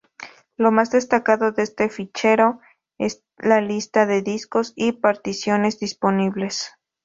Lo más destacado de este fichero es la lista de discos y particiones disponibles.